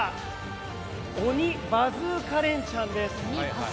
鬼バズーカレンチャンです。